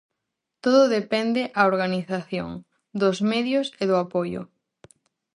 Todo depende a organización, dos medios e do apoio.